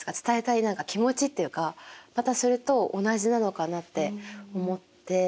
伝えたい何か気持ちっていうかまたそれと同じなのかなって思って。